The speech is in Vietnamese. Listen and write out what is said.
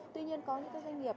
tuy nhiên có những doanh nghiệp